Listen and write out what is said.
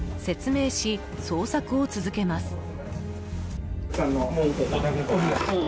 説明し、捜索を続けます。